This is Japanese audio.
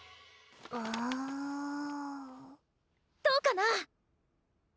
どうかな？